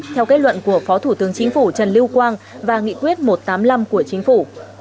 theo kết luận của phó thủ tướng chính phủ trần lưu quang và nghị quyết một trăm tám mươi năm của chính phủ